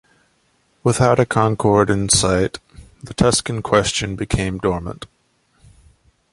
Without a concord in sight, the "Tuscan question" became dormant.